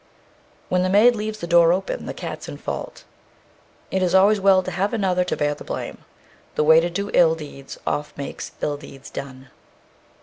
When the maid leaves the door open, the cat's in fault. It is always well to have another to bear the blame. The way to do ill deeds oft makes ill deeds done.